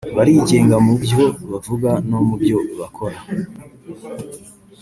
Barigenga mu byo bavuga no mu byo bakora